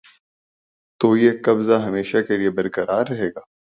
تو یہ قبضہ ہمیشہ کیلئے برقرار رہے گا؟